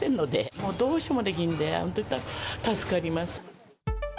もうどうしようもできんで、本当に助かります。